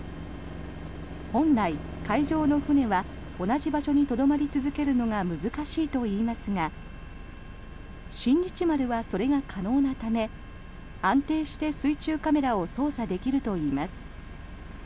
本来、海上の船は同じ場所にとどまり続けるのが難しいといいますが「新日丸」はそれが可能なため安定して水中カメラを操作できるといいます。